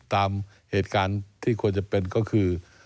ตามเหตุการณ์ที่ควรจะเป็นก็คือ